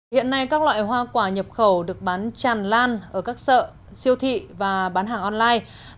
hiện nay các loại hoa quả nhập khẩu được bán tràn lan ở các sợi siêu thị và bán hàng online